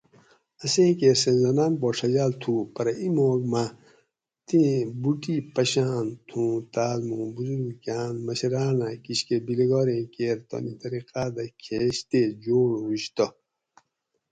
اسیں کیر سایٔنسداۤن پا ڛجاۤل تھو پرہ ایماک مہ تیں بوٹی پشاۤن تھوں تاۤس موں بزروکاۤن مشراۤنہ کشکہ بیلگاریں کیر تانی طریقاۤ دہ کھیش تے جوڑ ھوش تہ